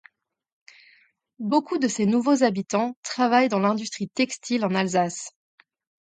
Beaucoup de ces nouveaux habitants travaillaient dans l'industrie textile en Alsace.